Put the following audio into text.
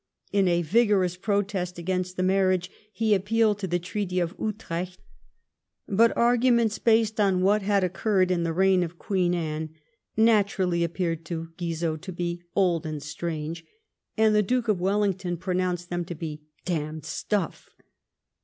In a vigorous protest against the marriage he appealed to the treaty of Utrecht, but arguments based on ;what had occurred in the reign of Queen Anne naturally appeared to Guizot to be " old and strange," and the Duke of Wellington pronounced them to be *' damned stuff.''